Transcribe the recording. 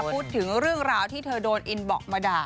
พูดถึงเรื่องราวที่เธอโดนอินบอกมาด่า